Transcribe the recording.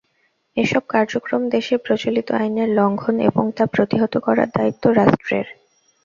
এসব কার্যক্রম দেশের প্রচলিত আইনের লঙ্ঘন এবং তা প্রতিহত করার দায়িত্ব রাষ্ট্রের।